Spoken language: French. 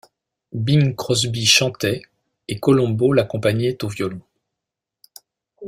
Bing Crosby chantait et Columbo l’accompagnait au violon.